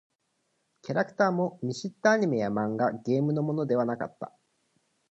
キャラクターも見知ったアニメや漫画、ゲームのものではなかった。